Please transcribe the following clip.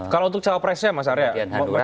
kalau untuk cawapresnya mas arya